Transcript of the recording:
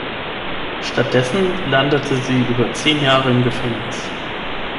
Stattdessen landete sie über zehn Jahre im Gefängnis.